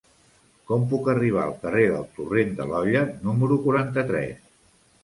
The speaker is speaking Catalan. Com puc arribar al carrer del Torrent de l'Olla número quaranta-tres?